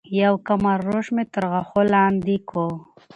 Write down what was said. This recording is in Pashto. يو کمر روش مي تر غاښو لاندي کو